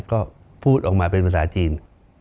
ก็พูดออกมาเป็นภาษาจีน